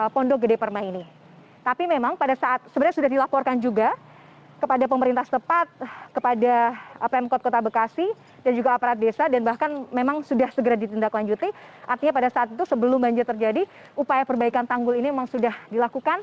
pondok gede permai jatiasi pada minggu pagi